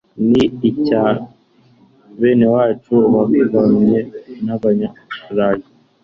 niicya benewacu babanye n'Abanya-Burayi,